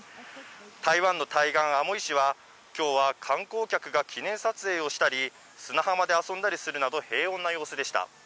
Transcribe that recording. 台湾の対岸、アモイ市は、きょうは観光客が記念撮影をしたり、砂浜で遊んだりするなど、平穏な様子でした。